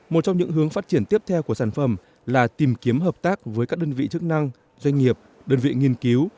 một trong những hướng phát triển tiếp theo của sản phẩm là tìm kiếm hợp tác với các đơn vị chức năng doanh nghiệp đơn vị nghiên cứu